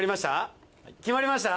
決まりました？